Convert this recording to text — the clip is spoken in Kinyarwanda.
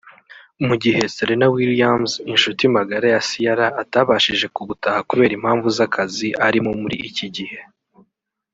mu gihe Serena Williams inshuti magara ya Ciara atabashije kubutaha kubera impamvu z’akazi arimo muri iki gihe